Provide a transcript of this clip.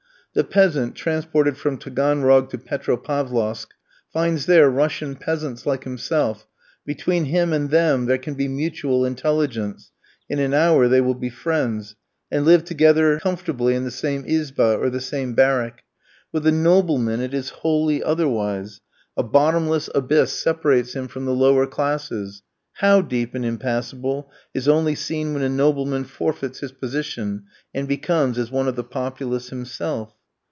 The peasant, transported from Taganrog to Petropavlosk, finds there Russian peasants like himself; between him and them there can be mutual intelligence; in an hour they will be friends, and live comfortably together in the same izba or the same barrack. With the nobleman it is wholly otherwise; a bottomless abyss separates him from the lower classes, how deep and impassable is only seen when a nobleman forfeits his position and becomes as one of the populace himself.